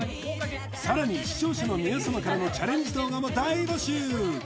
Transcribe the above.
さらに視聴者の皆様からのチャレンジ動画も大募集！